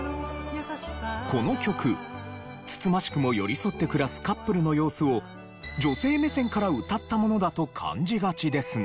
この曲慎ましくも寄り添って暮らすカップルの様子を女性目線から歌ったものだと感じがちですが。